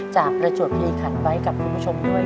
จากประจวดพลีขันไว้กับคุณผู้ชมด้วย